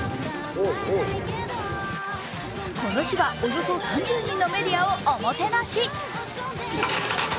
この日はおよそ３０人のメディアをおもてなし。